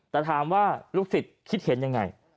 แต่ถามว่าลูกศิษย์คิดเห็นยังไง